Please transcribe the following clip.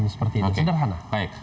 seperti itu sederhana